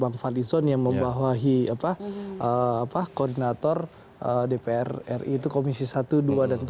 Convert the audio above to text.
bang fadlizon yang membawahi koordinator dpr ri itu komisi satu dua dan tiga